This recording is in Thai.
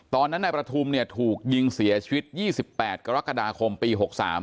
ตอนนั้นนายประทุมเนี่ยถูกยิงเสียชีวิต๒๘กรกฎาคมปี๖๓